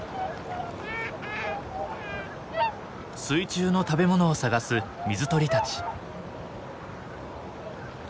水中の食べ物を探す水鳥たち。